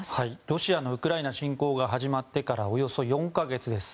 ロシアのウクライナ侵攻が始まってからおよそ４か月です。